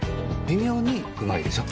微妙に美味いでしょ。